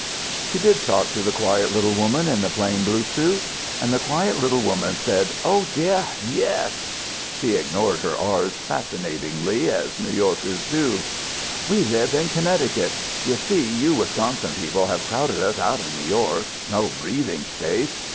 She did talk to the quiet little woman in the plain blue suit. And the quiet little woman said: "Oh, dear, yes!" She ignored her r's fascinatingly, as New Yorkers do". We live in Connecticut. You see, you Wisconsin people have crowded us out of New York; no breathing space.